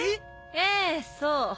ええそう。